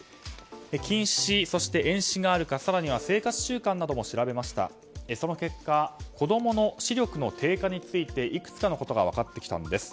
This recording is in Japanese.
近視、そして遠視があるか更には生活習慣なども調べた結果子供の視力の低下について、いくつかのことが分かってきたんです。